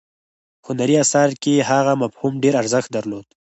هنري اثر کې هغه مفهوم ډیر ارزښت درلود.